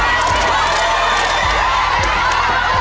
เยี่ยม